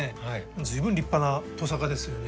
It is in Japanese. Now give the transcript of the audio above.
随分立派なトサカですよね。